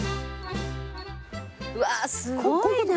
うわっすごいね！